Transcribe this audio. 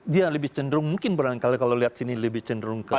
dia lebih cenderung mungkin barangkali kalau lihat sini lebih cenderung ke sini